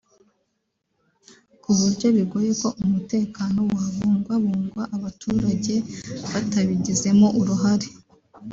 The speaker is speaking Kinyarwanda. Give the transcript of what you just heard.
ku buryo bigoye ko umutekano wabungwabungwa abaturage batabigizemo uruhare